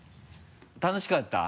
楽しかった？